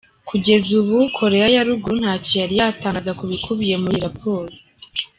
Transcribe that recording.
Kugeza ubu, Koreya ya Ruguru ntacyo yari yatangaza ku bikubiye muri iyi raporo.